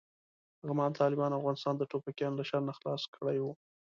هغه مهال طالبانو افغانستان د ټوپکیانو له شر نه خلاص کړی و.